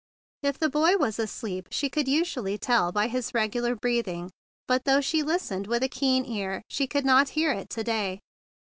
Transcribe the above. If the boy was asleep, she could usually tell by his regular breathing; but, though she listened with a keen ear, she could not hear it to day.